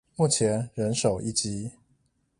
目前人手一機